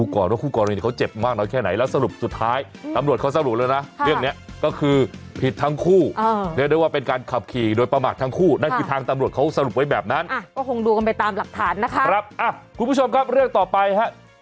ใครมาโอ้โหกลายเป็นว่าจะไปทะเลาะกับเขาอีก